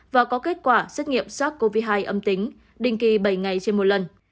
và có kết quả xét nghiệm sars cov hai âm tính định kỳ bảy ngày trên một lần